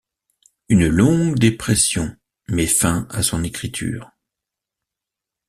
Une longue dépression met fin à son écriture.